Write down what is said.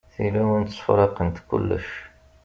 Tilawin ttefṛaqent kullec.